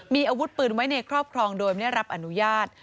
มีอาวุธปืนไว้ในครอบครองโดยไม่ได้รับอนุญาต